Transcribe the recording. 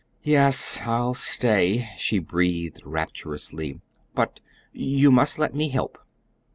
"Yes, I'll stay," she breathed rapturously; "but you must let me help."